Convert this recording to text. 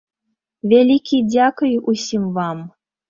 Вялікі дзякуй усім вам!